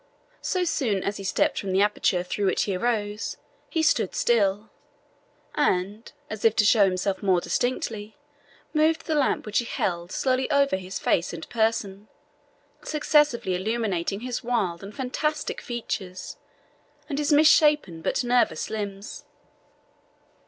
So soon as he had stepped from the aperture through which he arose, he stood still, and, as if to show himself more distinctly, moved the lamp which he held slowly over his face and person, successively illuminating his wild and fantastic features, and his misshapen but nervous limbs.